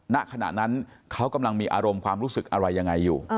ณขณะนั้นเขากำลังมีอารมณ์ความรู้สึกอะไรยังไงอยู่